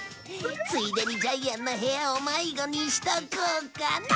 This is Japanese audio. ついでにジャイアンの部屋を迷子にしとこうかな！